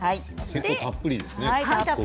結構たっぷりですね。